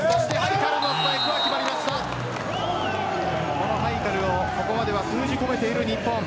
このハイカルをここまでは封じ込めている日本。